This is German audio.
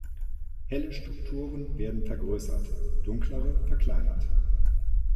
Helle Strukturen werden vergrößert, dunklere verkleinert.